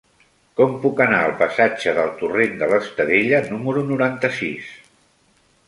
Com puc anar al passatge del Torrent de l'Estadella número noranta-sis?